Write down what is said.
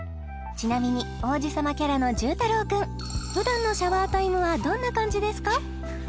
ちなみに王子様キャラの柔太朗くん普段のシャワータイムはどんな感じですか？